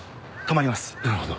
なるほど。